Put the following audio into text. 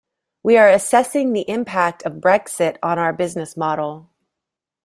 We are assessing the impact of Brexit on our business model.